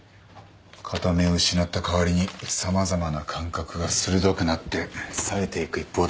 片目を失った代わりに様々な感覚が鋭くなってさえていく一方だ。